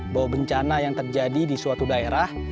bahwa bencana yang terjadi di suatu daerah